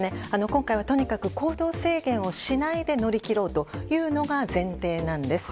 今回はとにかく行動制限をしないで乗り切ろうというのが前提なんです。